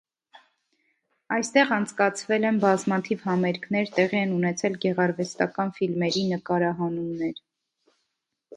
Այստեղ անցկացվել են բազմաթիվ համերգներ, տեղի են ունեցել գեղարվեստական ֆիլմերի նկարահանումներ։